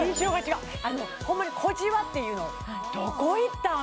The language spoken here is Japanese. あのホンマに小じわっていうのどこ行ったん？